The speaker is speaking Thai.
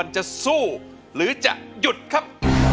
จะสู้หรือจะหยุดครับ